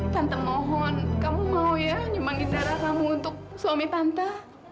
tante mohon kamu mau ya nyumangi darah kamu untuk suami tante